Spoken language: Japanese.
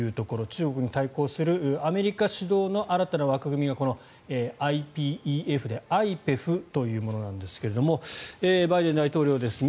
中国に対抗するアメリカ主導の新たな枠組みがこのＩＰＥＦで「アイペフ」というものですがバイデン大統領です。